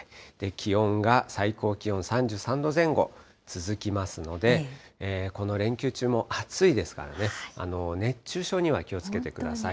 気温が最高気温３３度前後続きますので、この連休中も暑いですからね、熱中症には気をつけてください。